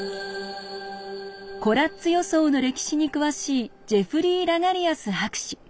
コラッツ予想の歴史に詳しいジェフリー・ラガリアス博士。